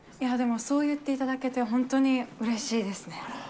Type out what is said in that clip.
でもそう言っていただけて、うれしいですね。